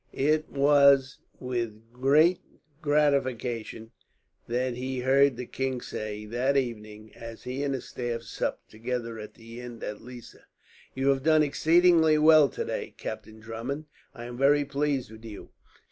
It was with great gratification that he heard the king say that evening, as he and his staff supped together at the inn at Lissa: "You have done exceedingly well today, Captain Drummond. I am very pleased with you.